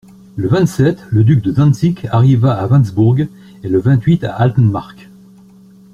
Le vingt-sept, le duc de Dantzick arriva à Wanesburk et le vingt-huit à Altenmarck.